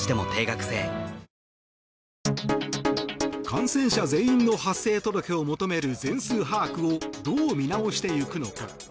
感染者全員の発生届を求める全数把握をどう見直していくのか。